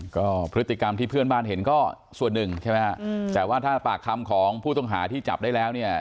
ก็พฤติกรรมที่เพื่อนบ้านเห็นก็ส่วนหนึ่งใช่ไหมฮะแต่ว่าถ้าปากคำของผู้ต้องหาที่จับได้แล้วเนี่ย